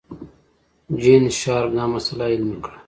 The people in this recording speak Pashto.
جین شارپ دا مسئله علمي کړه.